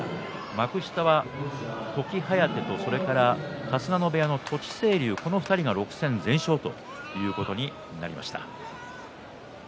幕下は時疾風それから春日野部屋の栃清龍この２人が６戦全勝ということになりました。